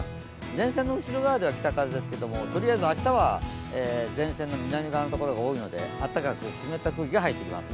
前線の後ろ側では北風ですけどとりあえず明日は前線の南側のところが多いので、暖かく湿った空気が入ってきます。